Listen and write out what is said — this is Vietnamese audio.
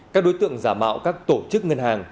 các đối tượng giả mạo các tổ chức ngân hàng